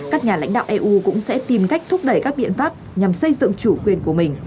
các nhà lãnh đạo eu cũng sẽ tìm cách thúc đẩy các biện pháp nhằm xây dựng chủ quyền của mình